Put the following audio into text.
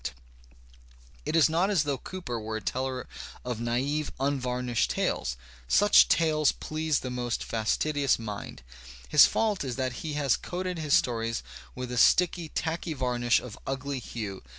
Digitized by Google COOPER 41 It is not as though Cooper were a teller of naive, unvarnished tales; such tales please the most fastidious mind. His fault is that he has coated his stories with a sticky, tacky varnish of ugly hue.